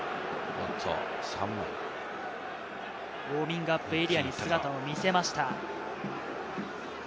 ウオーミングアップエリアに姿を見せました。